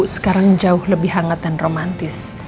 sekarang jauh lebih hangat dan romantis